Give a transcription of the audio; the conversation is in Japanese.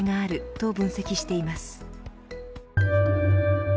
と分析しています。